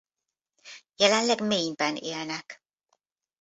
Jelenleg Maine-ben élnek.